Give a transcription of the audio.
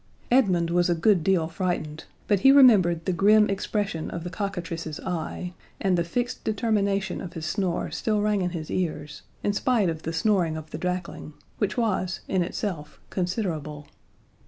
Edmund was a good deal frightened, but he remembered the grim expression of the cockatrice's eye, and the fixed determination of his snore still rang in his ears, in spite of the snoring of the drakling, which was, in itself, considerable.